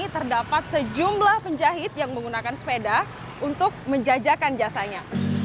terdapat sejumlah penjahit yang menggunakan sepeda untuk menjajakan jasanya